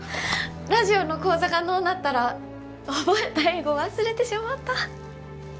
ラジオの講座がのうなったら覚えた英語忘れてしもうた。